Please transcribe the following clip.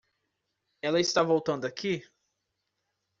Ela está voltando aqui?